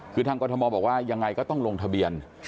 คือทางกรทมบอกว่ายังไงก็ต้องลงทะเบียน